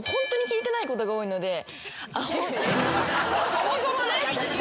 そもそもね。